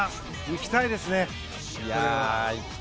いきたいですね！